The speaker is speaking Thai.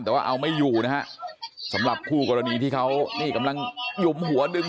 แต่ว่าเอาไม่อยู่นะฮะสำหรับคู่กรณีที่เขานี่กำลังหยุมหัวดึง